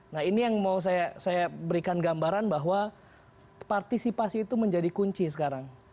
nah ini yang mau saya berikan gambaran bahwa partisipasi itu menjadi kunci sekarang